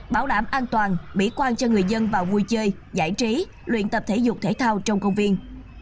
bảo đảm an toàn mỹ quan cho người dân vào vui chơi giải trí luyện tập thể dục thể thao trong công viên